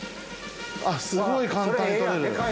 すごい簡単に取れるほら。